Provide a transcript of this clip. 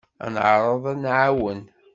Ad neɛreḍ ad d-nɛawen.